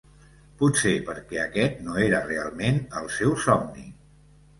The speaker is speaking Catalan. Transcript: Potser perquè aquest no era realment el seu somni.